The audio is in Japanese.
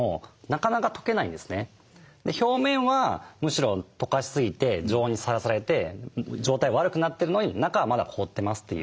表面はむしろとかしすぎて常温にさらされて状態は悪くなってるのに中はまだ凍ってますっていう。